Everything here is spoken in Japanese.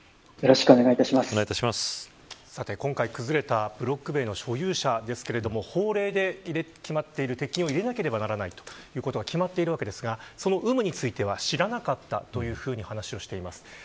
今回、崩れたブロック塀の所有者ですけど法令で鉄筋を入れなければならないということが決まっていますがその有無については知らなかったというふうに話をしています。